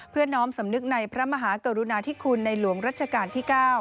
น้อมสำนึกในพระมหากรุณาธิคุณในหลวงรัชกาลที่๙